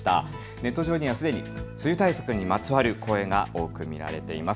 ネット上にはすでに梅雨対策にまつわる声が多く見られています。